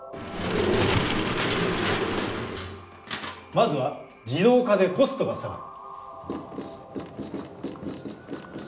まずは「自動化」でコストが下がる。